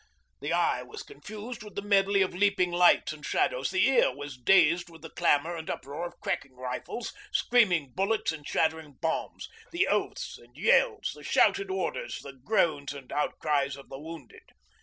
The eye was confused with the medley of leaping lights and shadows; the ear was dazed with the clamour and uproar of cracking rifles, screaming bullets, and shattering bombs, the oaths and yells, the shouted orders, the groans and outcries of the wounded.